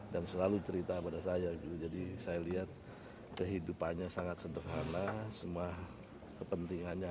dan selalu cerita pada saya jadi saya lihat kehidupannya sangat sederhana semua kepentingannya